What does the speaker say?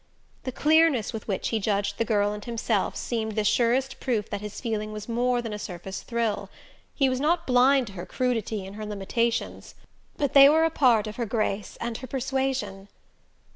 The clearness with which he judged the girl and himself seemed the surest proof that his feeling was more than a surface thrill. He was not blind to her crudity and her limitations, but they were a part of her grace and her persuasion.